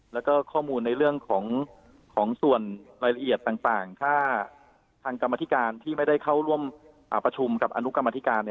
แล้วก็ข้อมูลในเรื่องของส่วนรายละเอียดต่างถ้าทางกรรมธิการที่ไม่ได้เข้าร่วมประชุมกับอนุกรรมธิการ